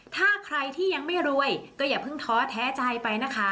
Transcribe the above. ถ้าใครที่ยังไม่รวยก็อย่าเพิ่งท้อแท้ใจไปนะคะ